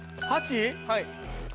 はい。